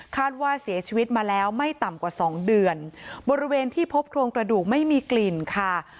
ว่าเสียชีวิตมาแล้วไม่ต่ำกว่าสองเดือนบริเวณที่พบโครงกระดูกไม่มีกลิ่นค่ะ